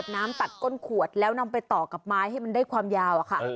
น้ำตัดก้นขวดแล้วนำไปต่อกับไม้ให้มันได้ความยาวอะค่ะ